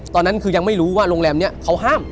ตอนนั้นคือยังไม่รู้ว่าโรงแรมนี้เขาห้าม